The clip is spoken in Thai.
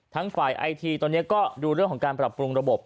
ฝ่ายไอทีตอนนี้ก็ดูเรื่องของการปรับปรุงระบบ